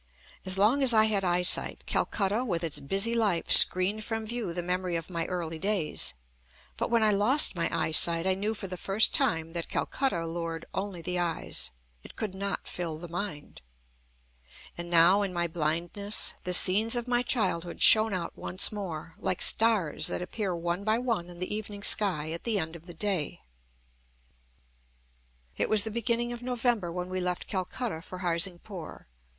As long as I had eyesight, Calcutta with its busy life screened from view the memory of my early days. But when I lost my eyesight I knew for the first time that Calcutta allured only the eyes: it could not fill the mind. And now, in my blindness, the scenes of my childhood shone out once more, like stars that appear one by one in the evening sky at the end of the day. It was the beginning of November when we left Calcutta for Harsingpur.